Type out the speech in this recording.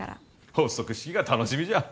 発足式が楽しみじゃ。